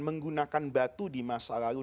menggunakan batu di masa lalu